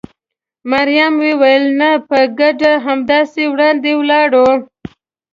مريم وویل: نه، په ګډه همداسې وړاندې ولاړو.